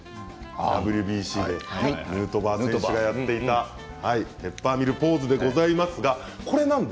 ＷＢＣでヌートバー選手がやっていたペッパーミルポーズでございます。